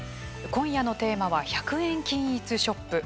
今夜のテーマは１００円均一ショップ。